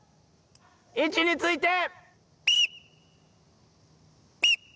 位置について。